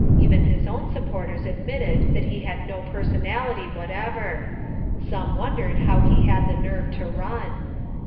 Even his own supporters admitted that he had no personality whatever. Some wondered how he had the nerve to run.